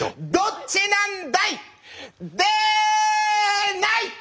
どっちなんだい？